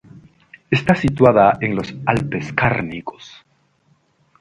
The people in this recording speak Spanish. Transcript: Está situada en los Alpes Cárnicos.